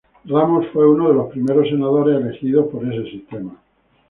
Ramos fue uno de los primeros senadores elegidos por ese sistema.